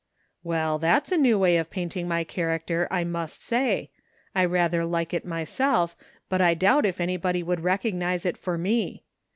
" Well, that's a new way of painting my character, I must say. I rather like it myself but I doubt if any body would recognize it for me.